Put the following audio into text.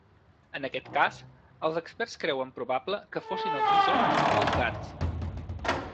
En aquest cas, els experts creuen probable que fossin els visons o els gats.